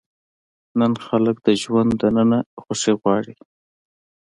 نن خلک د ژوند دننه خوښي غواړي.